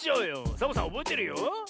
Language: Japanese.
サボさんおぼえてるよ。